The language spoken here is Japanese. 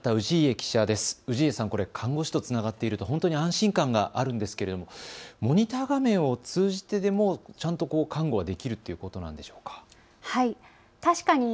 氏家さん、これ看護師とつながっているとほんとに安心感があるんですけどモニター画面を通じてでもちゃんと看護をできるということなんでしょうか。